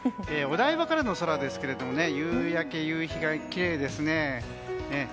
お台場からの空ですが夕焼け、夕日がきれいですね。